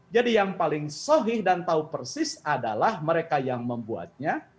jadi yang paling sohih dan tahu persis adalah mereka yang membuatnya